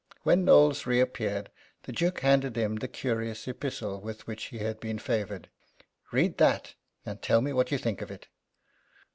When Knowles reappeared the Duke handed him the curious epistle with which he had been favoured. "Read that, and tell me what you think of it."